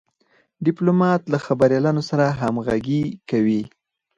ډيپلومات له خبریالانو سره همږغي کوي.